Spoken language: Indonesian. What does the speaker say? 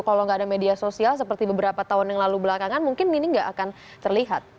kalau nggak ada media sosial seperti beberapa tahun yang lalu belakangan mungkin ini nggak akan terlihat